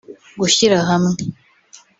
gushyirahamwe